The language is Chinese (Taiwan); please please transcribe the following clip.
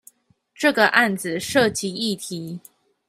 這個案子涉及議題